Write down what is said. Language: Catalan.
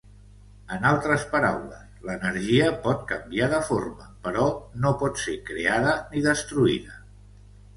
En altres paraules, l'energia pot canviar de forma, però no pot ser creada ni destruïda.